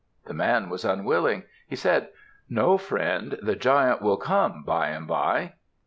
The man was unwilling. He said, "No, friend, the Giant will come by and by."